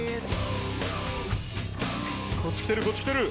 こっち来てるこっち来てる！